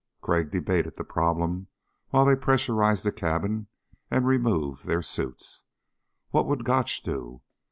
Crag debated the problem while they pressurized the cabin and removed their suits. What would Gotch do?